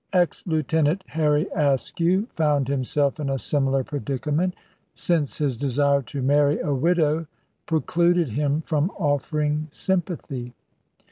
Ex lieutenant Harry Askew found himself in a similar predicament, since his desire to marry a widow precluded him from offering sympathy.